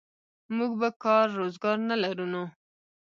موږ به کار روزګار نه لرو نو.